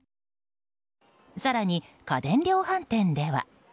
更に、家電量販店では。